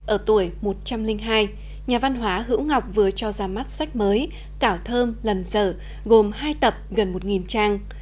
ở tuổi một trăm linh hai nhà văn hóa hữu ngọc vừa cho ra mắt sách mới cảo thơm lần dở gồm hai tập gần một trang